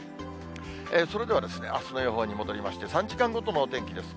それではあすの予報に戻りまして、３時間ごとの天気です。